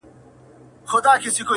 شهکاریت را وپاریږې